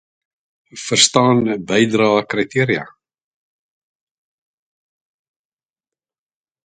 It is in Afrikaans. Ons het tot nou toe gefokus op jou akademiese stem en persoonlike houding.